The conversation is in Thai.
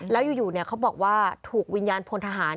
แล้วอยู่เขาบอกว่าถูกวิญญาณพลทหาร